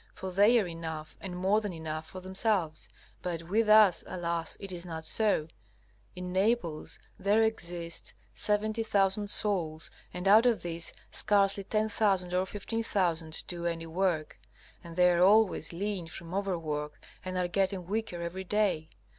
For they are enough, and more than enough, for themselves. But with us, alas! it is not so. In Naples there exist 70,000 souls, and out of these scarcely 10,000 or 15,000 do any work, and they are always lean from overwork and are getting weaker every day.